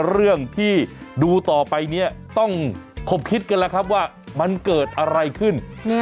เรื่องที่ดูต่อไปเนี่ยต้องคบคิดกันแล้วครับว่ามันเกิดอะไรขึ้น